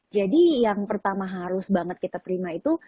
jadi yang pertama harus banget kita terima itu